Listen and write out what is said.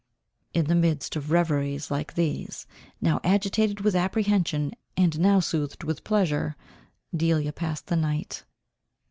In the midst of reveries like these, now agitated with apprehension, and now soothed with pleasure, Delia passed the night.